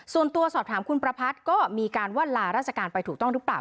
ส่วนตัวสอบถามคุณประพัทธ์ก็มีการว่าลาราชการไปถูกต้องหรือเปล่า